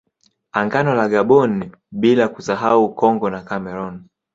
Angola na Gaboni bila kuisahau Congo na Cameroon